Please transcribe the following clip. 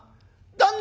旦那！